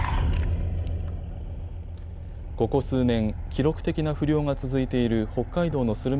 ここ数年、記録的な不漁が続いている北海道のスルメ